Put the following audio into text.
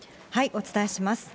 お伝えします。